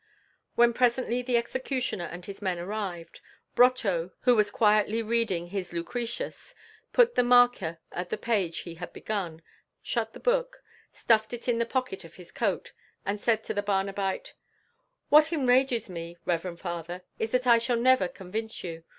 When presently the executioner and his men arrived, Brotteaux, who was quietly reading his Lucretius, put the marker at the page he had begun, shut the book, stuffed it in the pocket of his coat, and said to the Barnabite: "What enrages me, Reverend Father, is that I shall never convince you.